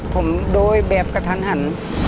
เป็นการไร้ที่